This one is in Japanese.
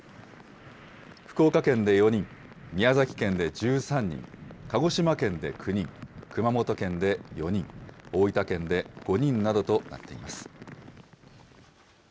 福岡県で４人、宮崎県で１３人、鹿児島県で９人、熊本県で４人、大分県で５人などとなっています。